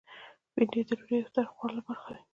بېنډۍ د روژې افطار خوړلو برخه وي